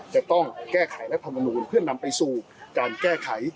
จะต้องแก้ไขรัฐมนูลเพื่อนำไปสู่การแก้ไข